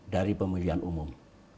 dari pemilihan umum